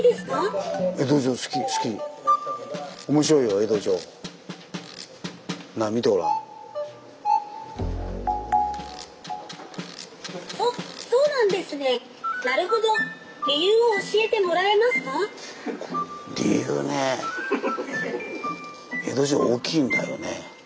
江戸城大きいんだよね。